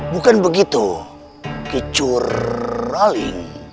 bukan begitu kecuraling